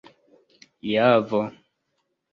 javo